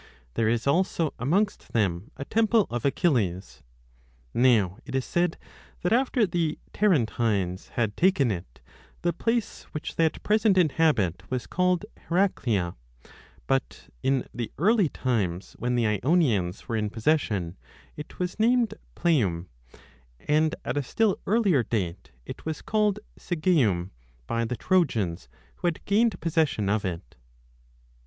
There is also amongst them a temple of Achilles. Now it is said that after the Tarentines had taken it, the place which they at present inhabit was called Heraclea ; but in the early times, when the lonians were in possession, it was named Pleum 3 1 5 and at a still earlier date it was called Sigeum by the Trojans, who had gained possession of it.